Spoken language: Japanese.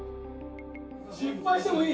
失敗してもいい！